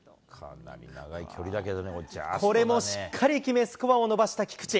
これもしっかり決め、スコアを伸ばした菊地。